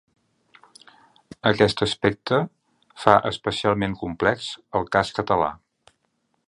Aquest aspecte fa especialment complex el cas català.